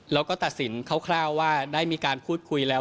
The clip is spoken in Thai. แล้วก็ตัดสินคร่าวว่าได้มีการพูดคุยแล้ว